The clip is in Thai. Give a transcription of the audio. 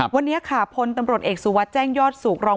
วันนี้ค่ะพลตำรวจเอกสุวัตรแจ้งยอดสูง